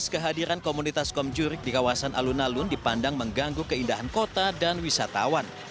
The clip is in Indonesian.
kehadiran komunitas komjurik di kawasan alun alun dipandang mengganggu keindahan kota dan wisatawan